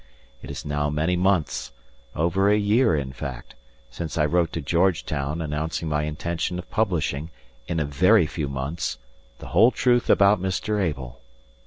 It is now many months over a year, in fact since I wrote to Georgetown announcing my intention of publishing, IN A VERY FEW MONTHS, the whole truth about Mr. Abel.